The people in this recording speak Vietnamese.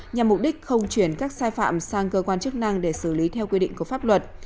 nhằm mục đích không chuyển các sai phạm sang cơ quan chức năng để xử lý theo quy định của pháp luật